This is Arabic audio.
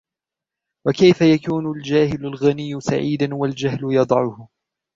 وَكَيْفَ يَكُونُ الْجَاهِلُ الْغَنِيُّ سَعِيدًا وَالْجَهْلُ يَضَعُهُ